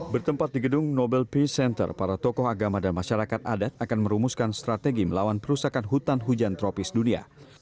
bertempat di gedung nobel peace center para tokoh agama dan masyarakat adat akan merumuskan strategi melawan perusahaan hutan hujan tropis dunia